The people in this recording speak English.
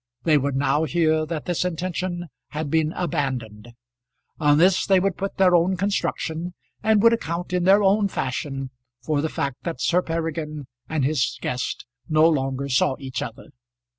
They would now hear that this intention had been abandoned. On this they would put their own construction, and would account in their own fashion for the fact that Sir Peregrine and his guest no longer saw each other.